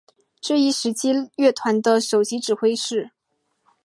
这一时期乐团的首席指挥是。